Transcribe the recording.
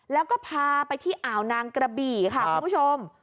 แล้วก็พาไปที่อ่าวนางกระบี่ค่ะคุณผู้ชม